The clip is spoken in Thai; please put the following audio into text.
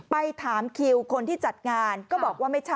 ไปถามคิวคนที่จัดงานก็บอกว่าไม่ใช่